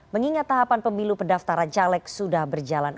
mengingat tahapan pemilu pendaftaran caleg sudah berjalan